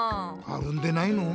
あるんでないの？